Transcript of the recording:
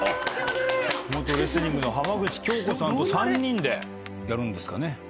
元レスリングの浜口京子さんと３人でやるんですかね。